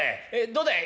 どうだい？